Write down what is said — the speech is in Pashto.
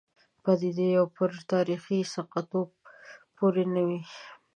پدیده پوه پر تاریخي ثقه توب پورې نه وي.